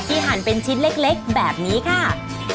หั่นเป็นชิ้นเล็กแบบนี้ค่ะ